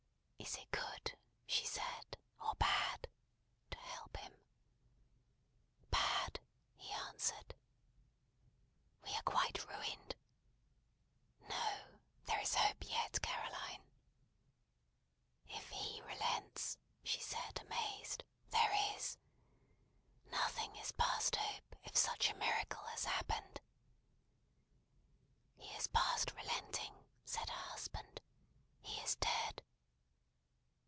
"Is it good?" she said, "or bad?" to help him. "Bad," he answered. "We are quite ruined?" "No. There is hope yet, Caroline." "If he relents," she said, amazed, "there is! Nothing is past hope, if such a miracle has happened." "He is past relenting," said her husband. "He is dead."